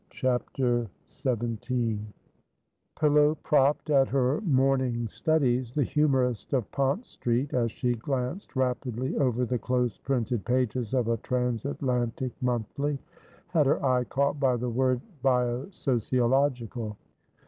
CHAPTER XVII Pillow propped at her morning studies, the humourist of Pont Street, as she glanced rapidly over the close printed pages of a trans Atlantic monthly, had her eye caught by the word "bio sociological."